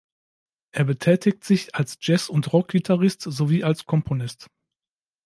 Er betätigt sich als Jazz- und Rockgitarrist sowie als Komponist.